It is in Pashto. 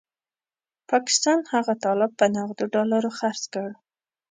پاکستان هغه طالب په نغدو ډالرو خرڅ کړ.